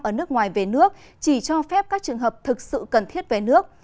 ở nước ngoài về nước chỉ cho phép các trường hợp thực sự cần thiết về nước